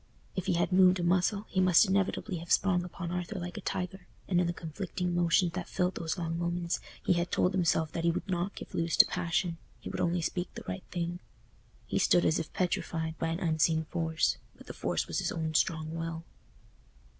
If he had moved a muscle, he must inevitably have sprung upon Arthur like a tiger; and in the conflicting emotions that filled those long moments, he had told himself that he would not give loose to passion, he would only speak the right thing. He stood as if petrified by an unseen force, but the force was his own strong will.